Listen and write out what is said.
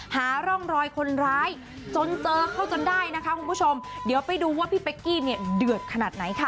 หาร่องรอยคนร้ายจนเจอเขาจนได้นะคะคุณผู้ชมเดี๋ยวไปดูว่าพี่เป๊กกี้เนี่ยเดือดขนาดไหนค่ะ